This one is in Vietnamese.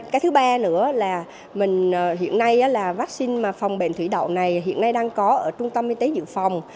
cái thứ ba nữa là mình hiện nay là vaccine phòng bệnh thủy đậu này hiện nay đang có ở trung tâm y tế dự phòng